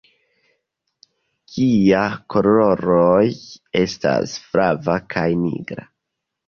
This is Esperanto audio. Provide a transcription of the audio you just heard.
Gia koloroj estas flava kaj nigra.